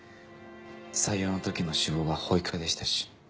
採用の時の志望は保育課でしたし。